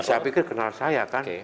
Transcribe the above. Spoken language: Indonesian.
saya pikir kenal saya kan